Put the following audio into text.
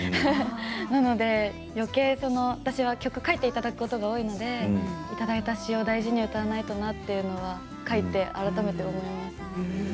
なので、よけい曲を書いていただくことが多いのでいただいた詞を大事に歌わないとなというのは書いて改めて思います。